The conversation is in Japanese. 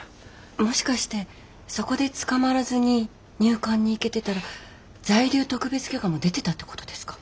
もしかしてそこで捕まらずに入管に行けてたら在留特別許可も出てたってことですか？